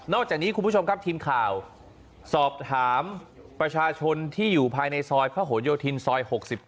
จากนี้คุณผู้ชมครับทีมข่าวสอบถามประชาชนที่อยู่ภายในซอยพระหลโยธินซอย๖๙